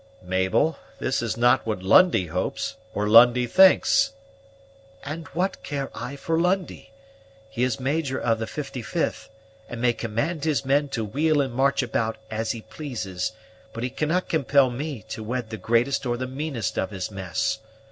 "Mabel, this is not what Lundie hopes, or Lundie thinks." "And what care I for Lundie? He is major of the 55th, and may command his men to wheel and march about as he pleases; but he cannot compel me to wed the greatest or the meanest of his mess.